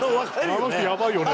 「あの人やばいよね」